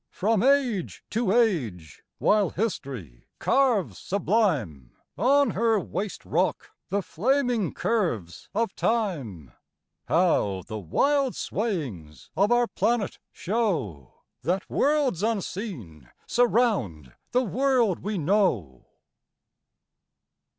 From age to age, while History carves sublime On her waste rock the flaming curves of time, How the wild swayings of our planet show That worlds unseen surround the world we know.